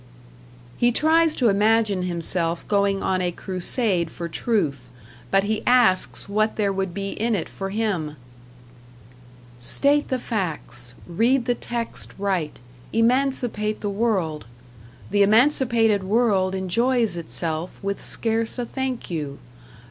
He tries to imagine himself going on a crusade for truth, but he asks what there would be in it for him State the facts, Read the text right, emancipate the world The emancipated world enjoys itself With scarce a thank you.